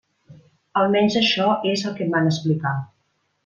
Almenys això és el que em van explicar.